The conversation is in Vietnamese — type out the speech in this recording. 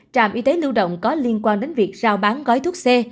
trạm y tế lưu động có liên quan đến việc giao bán gói thuốc xe